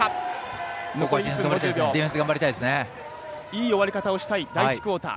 いい終わり方をしたい第１クオーター。